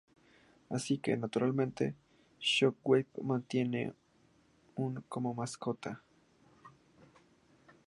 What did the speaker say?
Así que, naturalmente, Shockwave mantiene una como mascota.